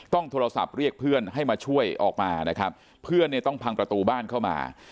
ต้องโทรศัพท์เรียกเพื่อนให้มาช่วยออกมาเพื่อนต้องพังประตูบ้านเข้ามา